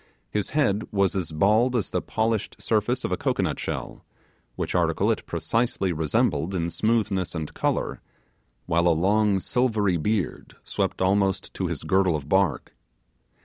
His head was as bald as the polished surface of a cocoanut shell, which article it precisely resembled in smoothness and colour, while a long silvery beard swept almost to his girdle of bark.